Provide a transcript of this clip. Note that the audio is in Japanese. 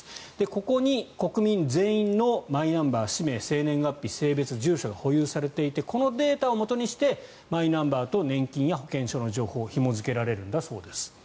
ここに国民全員のマイナンバー氏名、生年月日、性別、住所が保有されていてこのデータをもとにしてマイナンバーと年金や保険証の情報をひも付けられるんだそうです。